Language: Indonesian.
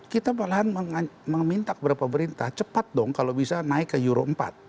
kita malahan meminta kepada pemerintah cepat dong kalau bisa naik ke euro empat